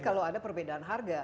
kalau ada perbedaan harga